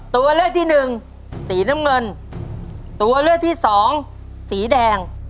ตัวเลือกที่หนึ่งสีน้ำเงินตัวเลือกที่สองสีแดง